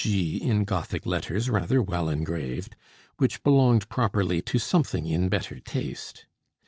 G. in gothic letters rather well engraved, which belonged properly to something in better taste.